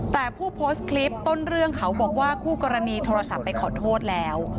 แต่ผู้โพสต์คลิปต้นเรื่องเขาบอกว่าคู่กรณีโทรศัพท์ไปขอโทษแล้ว